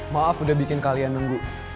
maaf udah bikin kalian nunggu